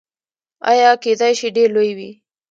یا کیدای شي ډیر لوی وي.